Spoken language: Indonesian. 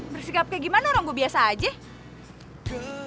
bersikap kayak gimana rong gue biasa aja